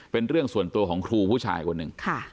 เป็นเรื่องส่วนตัวของครูผู้ชายคนหนึ่ง